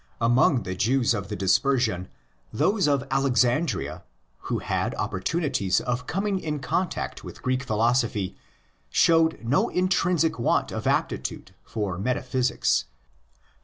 Among the Jews of the Dispersion those of Alexandria, who had oppor tunities of coming in contact with Greek philosophy, showed no intrinsic want of aptitude for metaphysics.